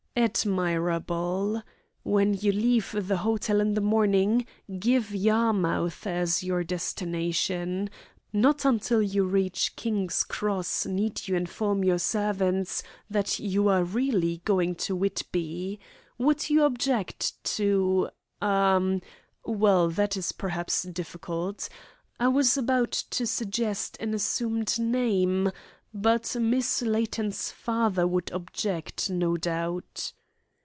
"Admirable! When you leave the hotel in the morning give Yarmouth as your destination. Not until you reach King's Cross need you inform your servants that you are really going to Whitby. Would you object to ah, well that is perhaps, difficult. I was about to suggest an assumed name, but Miss Layton's father would object, no doubt."